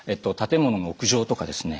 建物の屋上とかですね